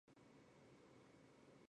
之后升任广东按察使。